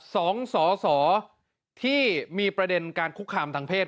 สองสอสอที่มีประเด็นการคุกคามทางเพศ